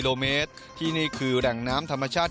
โลเมตรที่นี่คือแหล่งน้ำธรรมชาติ